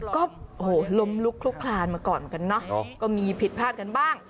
ก็โหลมลุกลุกลานมาก่อนกันเนอะก็มีผิดพลาดกันบ้าง